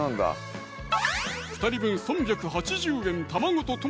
２人分３８０円